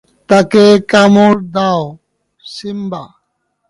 তাকে কামড় দাও, সিম্বা!